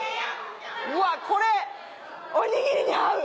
うわこれおにぎりに合う！